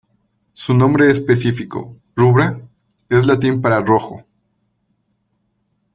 Su nombre específico, "rubra", es latin para "rojo".